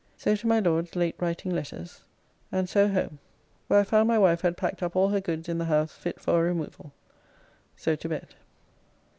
So to my Lord's late writing letters, and so home, where I found my wife had packed up all her goods in the house fit for a removal. So to bed.